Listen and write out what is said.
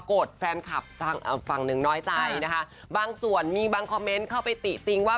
ปะโกดแฟนคัพทั้งหนึ่งน้อยใจบางส่วนมีบางคอมเม้นต์เข้าไปตี้สิ้งว่า